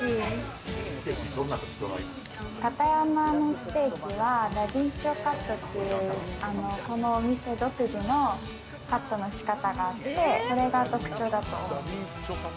カタヤマのステーキは駄敏丁カットっていう、このお店独自のカットの仕方があって、それが特徴だと思います。